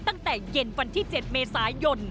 ตั้งแต่เย็นวันที่๗เมษายน